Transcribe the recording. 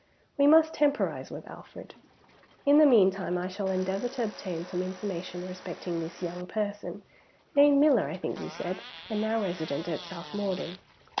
We must temporise with Alfred. In the meantime I shall endeavor to obtain some information respecting this young person named Miller, I think you said, and now resident at South Morden.